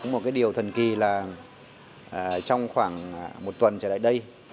một cái điều thần kỳ là trong khoảng một tuần trở lại đây